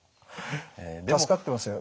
助かってますよ。